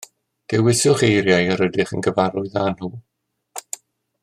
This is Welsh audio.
Dewiswch eiriau yr ydych yn gyfarwydd â nhw